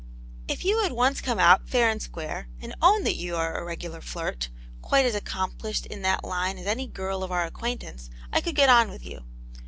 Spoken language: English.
" If you would once come out, fair and square, and own that you are a regular flirt, quite as accom* plished in that line as any girl of our acquaintance, I could get on with you.